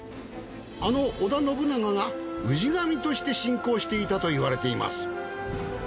あの織田信長が氏神として信仰していたといわれています。